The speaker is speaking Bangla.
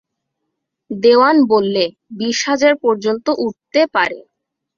দেওয়ান বললে, বিশ হাজার পর্যন্ত উঠতে পারে।